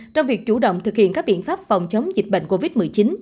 trong việc chủ động thực hiện các biện pháp phòng chống dịch bệnh covid một mươi chín